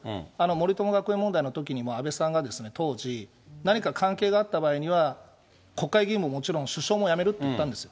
森友学園問題のときにも、安倍さんが当時、何か関係があった場合には、国会議員ももちろん、首相も辞めるって言ったんです。